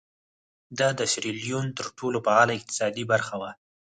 دا د سیریلیون تر ټولو فعاله اقتصادي برخه وه.